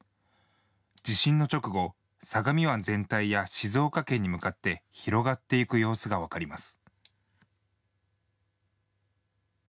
地震の直後相模湾全体や静岡県に向かって広がっていく様子が分かります。